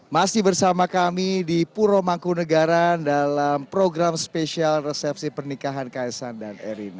masih bersama kami di purwomangkunegara dalam program spesial resepsi pernikahan kaisang dan erin